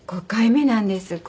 ５回目なんです